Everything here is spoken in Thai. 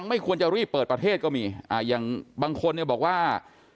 ไม่ควรจะรีบเปิดประเทศก็มีอย่างบางคนเนี่ยบอกว่า